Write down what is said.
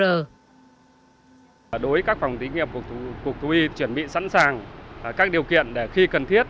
đối với các phòng thí nghiệm cục thú y chuẩn bị sẵn sàng các điều kiện để khi cần thiết